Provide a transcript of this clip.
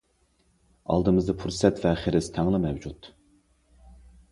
ئالدىمىزدا پۇرسەت ۋە خىرىس تەڭلا مەۋجۇت.